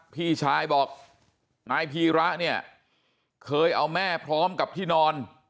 พี่ชายบอกนายพีระเนี่ยเคยเอาแม่พร้อมกับที่นอน